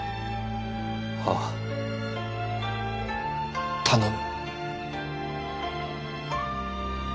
ああ頼む。